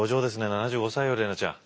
７５歳よ怜奈ちゃん。